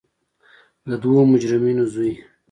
د دوو مجرمینو زوی.